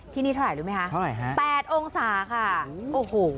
ที่นี่เท่าไหร่รู้ไหมคะ๘องศาค่ะที่นี่เท่าไหร่รู้ไหมคะ๘องศาค่ะ